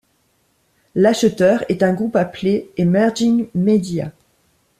L'acheteur est un groupe appelé Emerging Media.